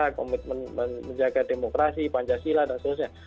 komitmen menjaga demokrasi pancasila dan seterusnya